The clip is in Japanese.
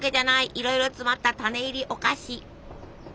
いろいろ詰まった種入りお菓子。